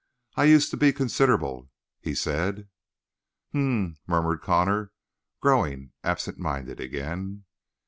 "I used to be considerable," he said. "H m," murmured Connor, grown absentminded again.